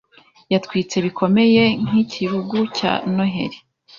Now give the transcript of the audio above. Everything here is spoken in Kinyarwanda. Yatwitswe bikomeye n’ikirugu cya noheli